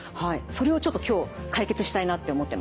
それをちょっと今日解決したいなって思ってます。